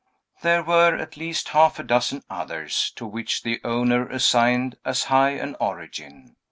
There were at least half a dozen others, to which the owner assigned as high an origin.